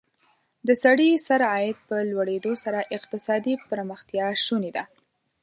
د سړي سر عاید په لوړېدو سره اقتصادي پرمختیا شونې ده.